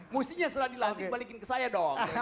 mestinya setelah dilantik balikin ke saya dong